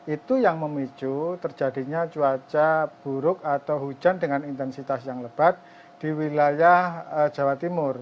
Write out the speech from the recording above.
itu yang memicu terjadinya cuaca buruk atau hujan dengan intensitas yang lebat di wilayah jawa timur